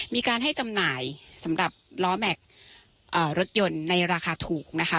มีการให้จำหน่ายสำหรับล้อแม็กซ์รถยนต์ในราคาถูกนะคะ